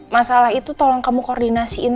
masalah itu tolong kamu koordinasiin